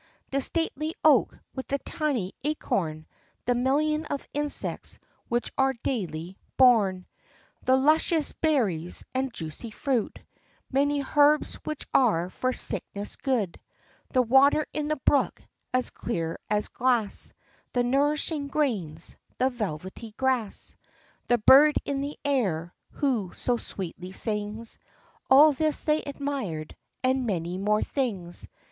The stately oak, with the tiny acorn; The million of insects which are daily born; 36 THE LIFE AND ADVENTURES The luscious berries, and juicy fruit; Many herbs which are for sickness good; The water in the brook, as clear as glass ; The nourishing grains; the velvety grass; The bird in the air, who so sweetly sings; — All this they admired, and many more things.